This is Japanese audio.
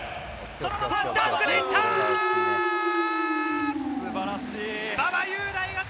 そのままダンクでいった！